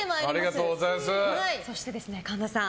そして、神田さん